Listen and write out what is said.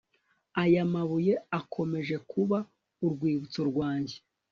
Aya mabuye akomeje kuba urwibutso rwanjye